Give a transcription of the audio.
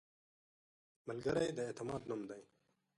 ملګری د اعتماد نوم دی